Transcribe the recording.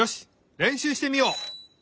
れんしゅうしてみよう！